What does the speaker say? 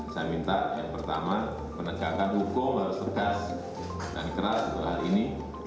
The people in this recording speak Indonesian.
saya minta yang pertama penegakan hukum harus tegas dan keras untuk hari ini